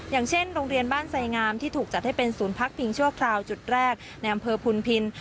อย่างเช่นโรงเรียนบ้านไสงามที่ถูกจัดให้เป็นศูนย์พักพิงชั่วคราวจุดแรกในอำเภอพุนพิน